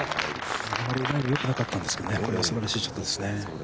あまりライがよくなかったんですけど、すばらしいショットですね。